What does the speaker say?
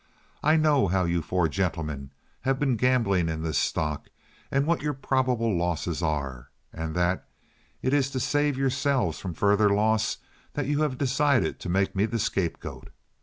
I know how you four gentlemen have been gambling in this stock, and what your probable losses are, and that it is to save yourselves from further loss that you have decided to make me the scapegoat.